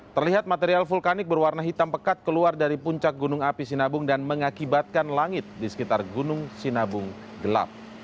terlihat material vulkanik berwarna hitam pekat keluar dari puncak gunung api sinabung dan mengakibatkan langit di sekitar gunung sinabung gelap